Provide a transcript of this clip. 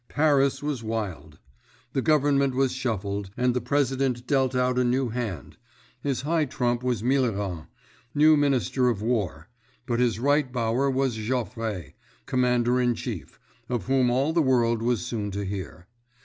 Paris was wild. The Government was shuffled, and the President dealt out a new hand—his high trump was Millerand, new Minister of War, but his right bower was Joffre, commander in chief, of whom all the world was soon to hear.